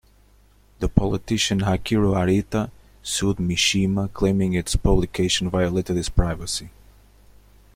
The politician Hachiro Arita sued Mishima, claiming its publication violated his privacy.